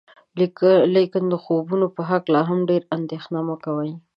لیکن د خوبونو په هکله هم ډیره اندیښنه مه کوئ.